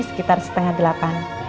sekitar setengah delapan